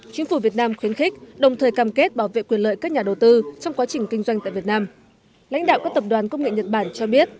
chính phủ việt nam khuyến khích đồng thời cam kết bảo vệ quyền lợi các nhà đầu tư trong quá trình kinh doanh tại việt nam